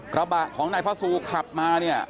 กระบะของนายพระศูนย์ขับมา